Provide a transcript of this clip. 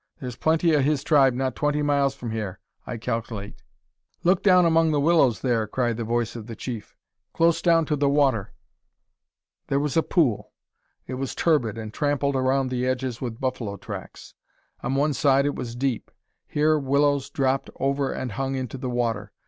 Thar's plenty o' his tribe not twenty miles from hyar, I calc'late." "Look down among the willows there!" cried the voice of the chief; "close down to the water." There was a pool. It was turbid and trampled around the edges with buffalo tracks. On one side it was deep. Here willows dropped over and hung into the water.